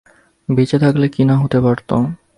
বেঁচে থাকলে কী না হতে পারত।